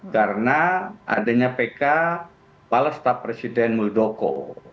karena adanya pk pala staf presiden muldoko